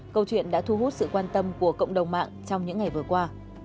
câu chuyện đã thu hút sự quan tâm của cộng đồng mạng trong những ngày vừa qua